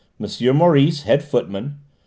Maurice head footman, M.